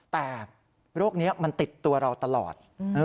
แต่โรคนี้มันติดตัวเราตลอด